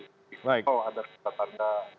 kalau ada kesatannya kita akan mencari